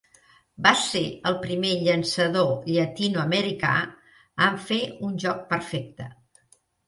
Va ser el primer llançador llatinoamericà en fer un joc perfecte.